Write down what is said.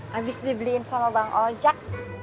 habis dibeliin sama bang ojek